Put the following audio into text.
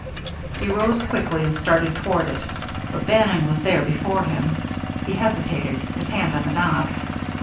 He rose quickly and started toward it, but Bannon was there before him. He hesitated, his hand on the knob.